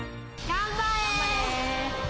頑張れ。